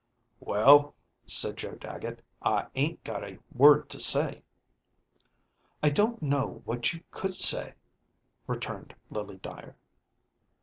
"Well," said Joe Dagget, " I ain't got a word to say." "I donít know what you could say," returned Lily Dver.